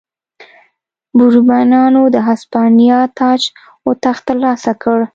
بوروبونیانو د هسپانیا تاج و تخت ترلاسه کړ.